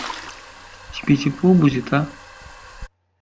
Тебе тепло будет, а?